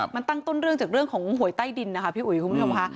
มันตั้งต้นเรื่องจากเรื่องของหวยใต้ดินนะคะพี่อุ๋ยคุณผู้ชมค่ะ